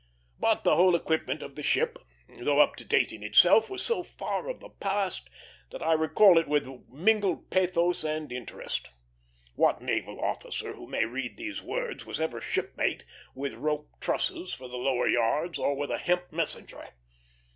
But the whole equipment of the ship, though up to date in itself, was so far of the past that I recall it with mingled pathos and interest. What naval officer who may read these words was ever shipmate with rope "trusses" for the lower yards, or with a hemp messenger?